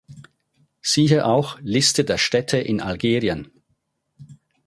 Siehe auch: Liste der Städte in Algerien